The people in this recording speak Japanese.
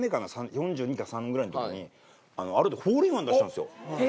４２か４３ぐらいの時にある時ホールインワン出したんですよ。